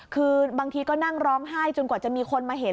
คือบางทีก็นั่งร้องไห้จนกว่าจะมีคนมาเห็น